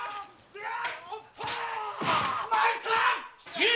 ・次！